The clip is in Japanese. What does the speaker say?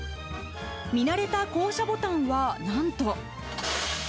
見慣れた降車ボタンはなんと。